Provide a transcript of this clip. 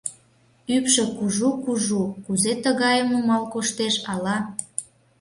Ӱпшӧ кужу-кужу, кузе тыгайым нумал коштеш ала?..